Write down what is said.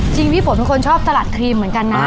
จริงพี่ผมเป็นคนชอบสลัดครีมเหมือนกันน่ะ